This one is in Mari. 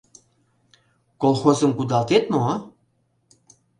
Колхозым кудалтет мо?